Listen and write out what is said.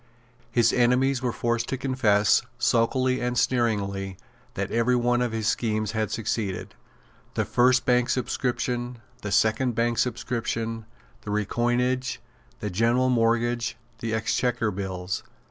His enemies were forced to confess, sulkily and sneeringly, that every one of his schemes had succeeded, the first Bank subscription, the second Bank subscription, the Recoinage, the General Mortgage, the Exchequer Bills.